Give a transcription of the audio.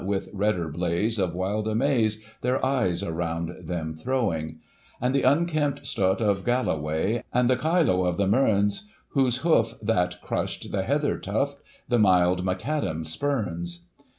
With redder blaze of wild amaze their eyes around them throwing ; And the unkempt stot of Galloway, and the Kyloe of the Mearns, Whose hoof, that crush'd the heather tuft, the mild Macadam spurns.